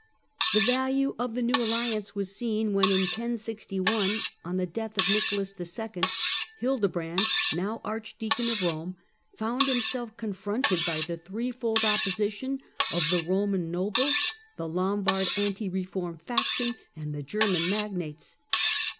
The value of the new alliance was seen when, in 1061, on the death of Nicholas II., Hildebrand, now archdeacon of Rome, found himself confronted by the threefold op position of the Roman nobles, the Lombard anti reform faction, and the German magnates.